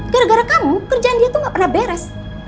gara gara kamu kerjaan dia tuh gak pernah beres